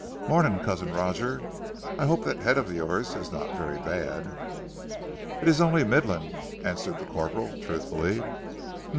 "Morning, Cousin Roger. I hope that head of yours is not very bad." "It is only middling," answered the corporal truthfully.